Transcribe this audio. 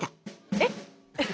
えっ？